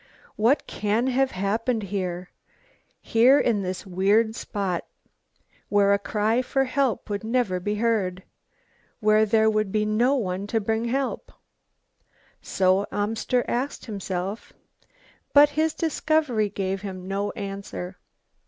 "What can have happened here here in this weird spot, where a cry for help would never be heard? where there would be no one to bring help?" So Amster asked himself, but his discovery gave him no answer.